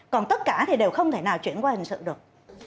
còn tất cả thì đều không thể nào chuyển qua hình sự được